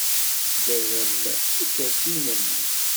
Tderrerem ikersiyen-nni.